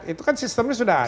itu kan sistemnya sudah ada